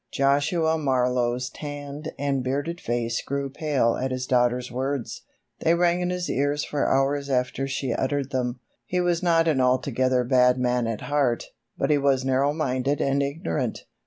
Joshua Marlowe's tanned and bearded face grew pale at his daughter's words. They rang in his ears for hours after she uttered them. He was not an altogether bad man at heart, but he was narrow minded and ignorant.